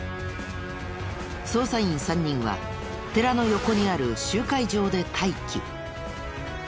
捜査員３人は寺の横にある集会場で待機。